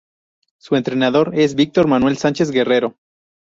Su entrenador es Víctor Manuel Sánchez Guerrero.